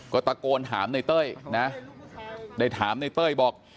ก็ตะโกนถามในเต้ยนะได้ถามในเต้ยบอก